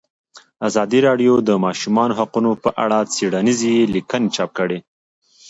ازادي راډیو د د ماشومانو حقونه په اړه څېړنیزې لیکنې چاپ کړي.